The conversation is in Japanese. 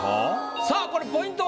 さあこれポイントは？